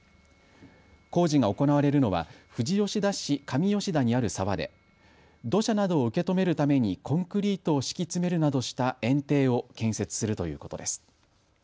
工事が行われるのは富士吉田市上吉田にある沢で土砂などを受け止めるためにコンクリートを敷き詰めるなどしたえん堤を建設するということです。